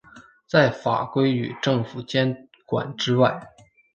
在法规与政府监管之外。